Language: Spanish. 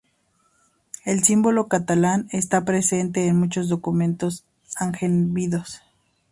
El símbolo catalán está presente en muchos documentos angevinos.